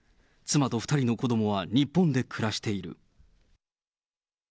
妻と２人の子どもは日本で暮らしている。